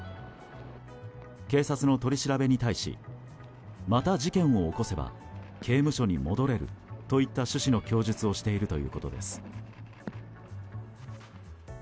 警察の取り調べに対しまた事件を起こせば刑務所に戻れるといった趣旨の供述をしているということです。